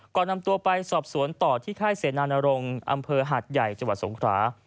ก่อนนำตัวไปสอบสวนต่อที่ค่ายเสนานรงค์อำเภอหาดใหญ่จังหวัดสงครา